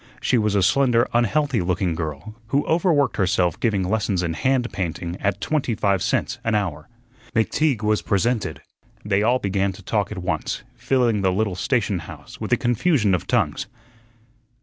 She was a slender, unhealthy looking girl, who overworked herself giving lessons in hand painting at twenty five cents an hour. McTeague was presented. They all began to talk at once, filling the little station house with a confusion of tongues.